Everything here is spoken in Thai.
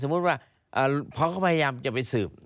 ว่าเขาก็พยายามจะไปสืบ